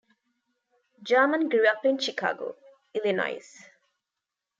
Jarman grew up in Chicago, Illinois.